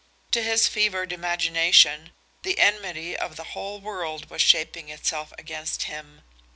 To his fevered imagination the enmity of the whole world was shaping itself against him.